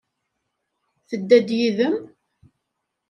Tedda-d yid-m?